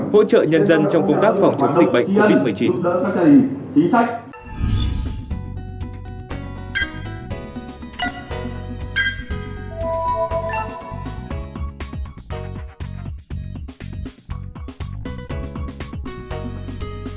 hỗ trợ nhân dân trong công tác phòng chống dịch bệnh covid một mươi chín